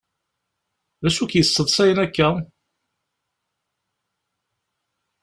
D acu i k-yesseḍsayen akka?